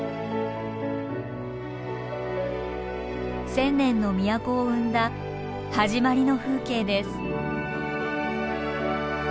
千年の都を生んだはじまりの風景です。